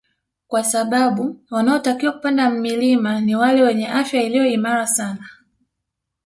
Kwa sababu wanaotakiwa kupanda milima ni wale wenye afya iliyo imara sana